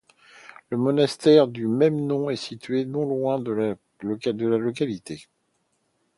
Le monastère du même nom est situé non loin de la localité.